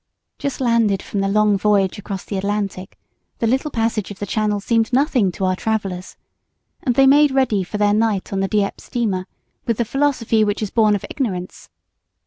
Just landed from the long voyage across the Atlantic, the little passage of the Channel seemed nothing to our travellers, and they made ready for their night on the Dieppe steamer with the philosophy which is born of ignorance.